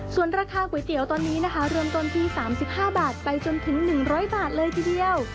ส่วนราคาก๋วยเตี๋ยวตอนนี้นะคะเริ่มต้นที่๓๕บาทไปจนถึง๑๐๐บาทเลยทีเดียว